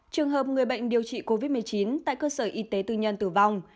trường hợp người bệnh điều trị covid một mươi chín tại cơ sở y tế tư nhân tử vong